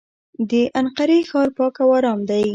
د انقرې ښار پاک او ارام دی.